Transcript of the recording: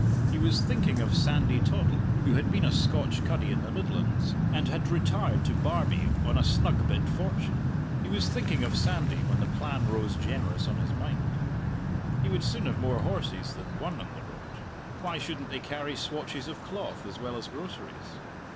He was thinking of Sandy Toddle, who had been a Scotch cuddy in the Midlands, and had retired to Barbie on a snug bit fortune he was thinking of Sandy when the plan rose generous on his mind. He would soon have more horses than one on the road; why shouldn't they carry swatches of cloth as well as groceries?